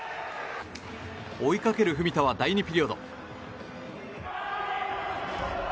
追いかける文田は第２ピリオド。